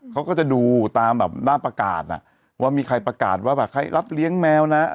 เขาก็จะดูตามแบบด้านประกาศว่ามีใครประกาศว่าแบบใครรับเลี้ยงแมวนะ